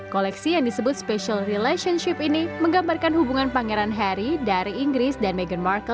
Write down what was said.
koleksi yang disebut special relationship ini menggambarkan hubungan pangeran harry dari inggris dan meghan markle